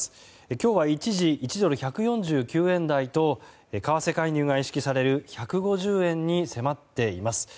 今日は一時１ドル＝１４９円台と為替介入が意識される１５０円に迫っています。